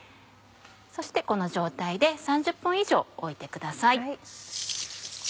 そしてこの状態で３０分以上おいてください。